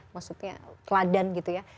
maksudnya teladan gitu ya